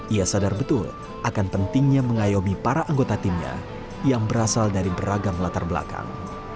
ia sadar betul akan pentingnya mengayomi para anggota timnya yang berasal dari beragam latar belakang